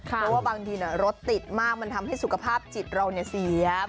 เพราะว่าบางทีรถติดมากมันทำให้สุขภาพจิตเราเสีย